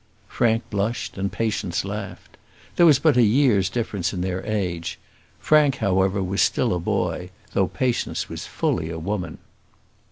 Frank blushed, and Patience laughed. There was but a year's difference in their age; Frank, however, was still a boy, though Patience was fully a woman.